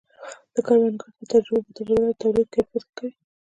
د کروندګرو د تجربو تبادله د تولید کیفیت ښه کوي.